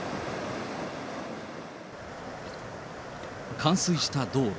冠水した道路。